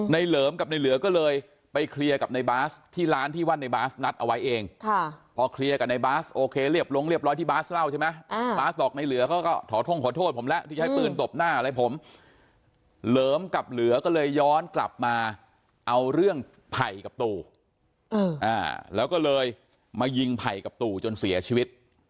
เหลิมกับในเหลือก็เลยไปเคลียร์กับในบาสที่ร้านที่ว่าในบาสนัดเอาไว้เองพอเคลียร์กับในบาสโอเคเรียบลงเรียบร้อยที่บาสเล่าใช่ไหมบาสบอกในเหลือเขาก็ขอท่งขอโทษผมแล้วที่ใช้ปืนตบหน้าอะไรผมเหลิมกับเหลือก็เลยย้อนกลับมาเอาเรื่องไผ่กับตู่แล้วก็เลยมายิงไผ่กับตู่จนเสียชีวิต